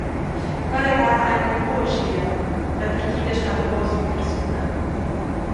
Quella ga ei quei buc aschia, la partida stat davos mia persuna.